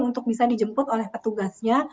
untuk bisa dijemput oleh petugasnya